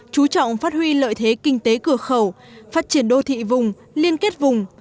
chú trọng phát huy lợi thế kinh tế cửa khẩu phát triển đô thị vùng liên kết vùng